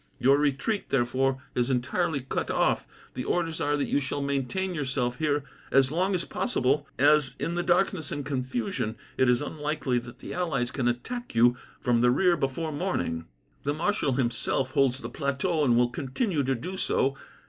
Your retreat, therefore, is entirely cut off. The orders are that you shall maintain yourself here as long as possible, as in the darkness and confusion, it is unlikely that the allies can attack you from the rear before morning. "The marshal himself holds the plateau, and will continue to do so.